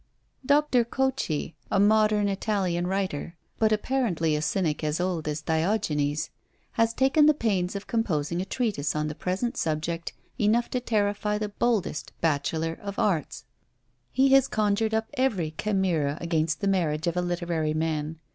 Dr. Cocchi, a modern Italian writer, but apparently a cynic as old as Diogenes, has taken the pains of composing a treatise on the present subject enough to terrify the boldest Bachelor of Arts! He has conjured up every chimera against the marriage of a literary man.